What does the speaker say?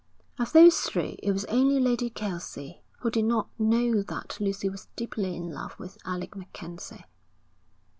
Of those three it was only Lady Kelsey who did not know that Lucy was deeply in love with Alec MacKenzie.